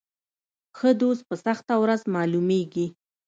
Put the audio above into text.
ښه دوست په سخته ورځ معلومیږي.